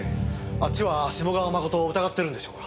あっちは志茂川真を疑ってるんでしょうか？